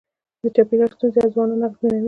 د چاپېریال ستونزې ځوانان اغېزمنوي.